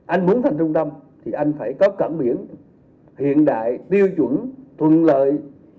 anh muốn thành trung tâm thì anh phải có cảng biển hiện đại tiêu chuẩn thuận lợi